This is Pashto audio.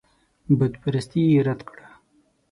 بتپرستي یې رد کړه.